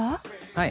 はい。